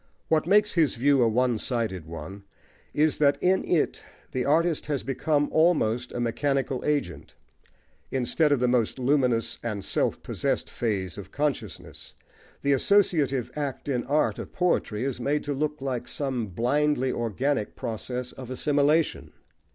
What makes his view a one sided one is, that in it the artist has become almost a mechanical agent: instead of the most luminous and self possessed phase of consciousness, the associative act in art or poetry is made to look like some blindly organic process of assimilation.